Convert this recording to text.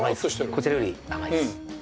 こちらより甘いです。